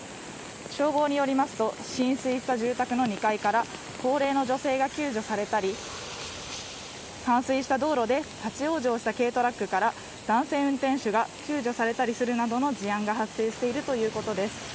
消防によりますと浸水した住宅の２階から高齢の女性が救助されたり冠水した道路で立ち往生した軽トラックから男性運転手が救助されたりするなどの事案が発生しているということです